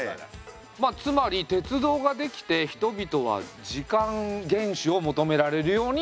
つまり鉄道ができて人々は時間厳守を求められるようになった。